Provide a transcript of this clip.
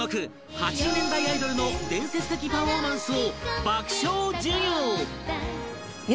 ８０年代アイドルの伝説的パフォーマンスを爆笑授業